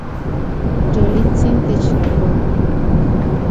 Yoliktsin techtlapoui